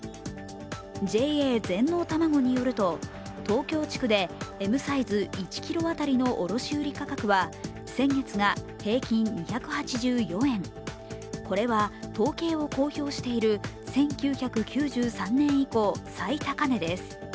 ＪＡ全農たまごによると、東京地区でＭサイズ１ｋｇ当たりの卸売価格は先月が平均２８４円、これは統計を公表している１９９３年以降、最高値です。